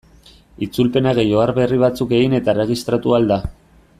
Itzulpena gehi ohar berri batzuk egin eta erregistratu ahal da.